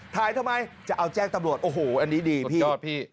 ทำไมจะเอาแจ้งตำรวจโอ้โหอันนี้ดีพี่